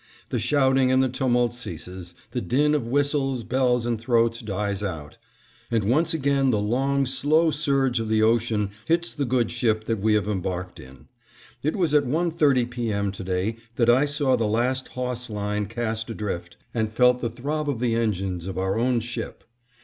The shouting and the tumult ceases, the din of whistles, bells, and throats dies out, and once again the long, slow surge of the ocean hits the good ship that we have embarked in. It was at one thirty P. M. to day that I saw the last hawse line cast adrift, and felt the throb of the engines of our own ship.